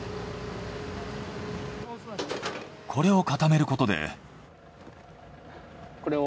これを固めることで。